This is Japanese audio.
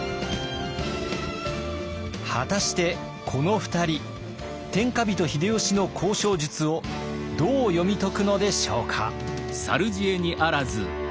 果たしてこの２人天下人秀吉の交渉術をどう読み解くのでしょうか？